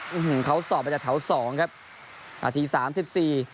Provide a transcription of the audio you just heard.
อื้มเหมืองเขาสอบมาจากแถวสองครับอาถริงสามสิบสี่